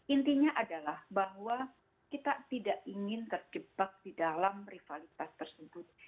intinya adalah bahwa kita tidak ingin terjebak di dalam rivalitas tersebut